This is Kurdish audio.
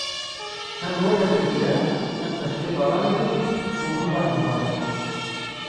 Him ro derketiye, him peşkê baranê tê û him berf dibare.